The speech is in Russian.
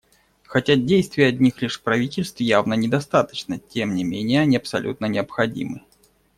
Хотя действий одних лишь правительств явно недостаточно, тем не менее они абсолютно необходимы.